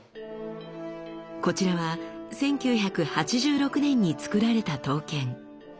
こちらは１９８６年につくられた刀剣。